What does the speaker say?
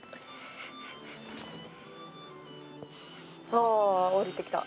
ああ降りてきた。